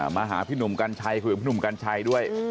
มาหาพี่หนุ่มกัญชัยคุยกับพี่หนุ่มกัญชัยด้วย